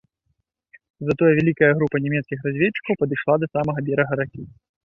Затое вялікая група нямецкіх разведчыкаў падышла да самага берага ракі.